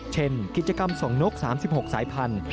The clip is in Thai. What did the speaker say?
เช่นกิจกรรมส่งนก๓๖สายพันธุ